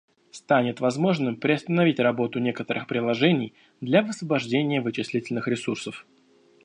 Станет возможным приостановить работу некоторых приложений для высвобождения вычислительных ресурсов